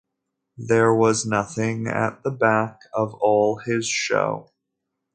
There was nothing at the back of all his show.